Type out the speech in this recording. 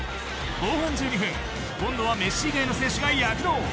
後半１２分今度はメッシ以外の選手が躍動。